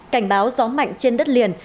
cảnh báo gió mạnh trên đất liền